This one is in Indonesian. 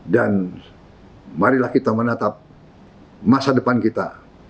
dan marilah kita menatap masa depan kita